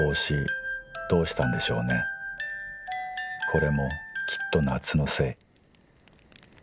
［これもきっと夏のせい］